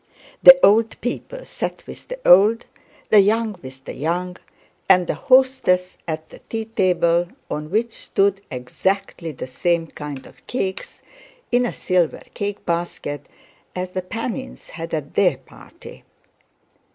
The old people sat with the old, the young with the young, and the hostess at the tea table, on which stood exactly the same kind of cakes in a silver cake basket as the Panins had at their party.